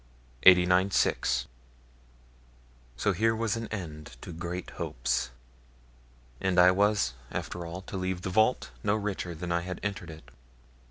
89, 6 So here was an end to great hopes, and I was after all to leave the vault no richer than I had entered it.